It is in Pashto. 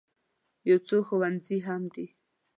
یو څو ښوونځي هم دي.